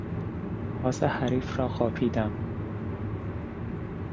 پاس حریف را قاپیدم.